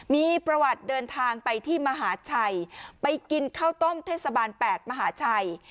มีประวัติเดินทางไปที่มหาชัยไปกินข้าวต้มเทศบาล๘มหาชัย